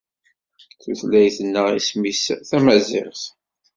Tutlayt-nneɣ isem-nnes tamaziɣt.